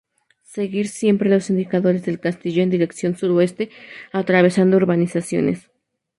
Seguir siempre los indicadores del castillo en dirección suroeste atravesando urbanizaciones.